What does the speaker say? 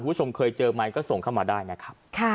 คุณผู้ชมเคยเจอไหมก็ส่งเข้ามาได้นะครับ